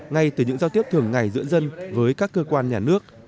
ngay từ những giao tiếp thường ngày giữa dân với các cơ quan nhà nước